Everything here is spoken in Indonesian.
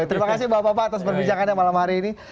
terima kasih bapak bapak atas perbincangannya malam hari ini